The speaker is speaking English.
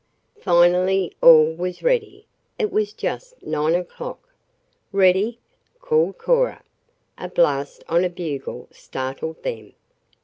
Finally all was ready. It was just nine o'clock. "Ready!" called Cora. A blast on a bugle startled them.